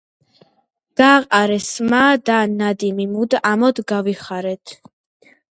გაყარეს სმა და ნადიმი მუნ ამოდ გავიხარენით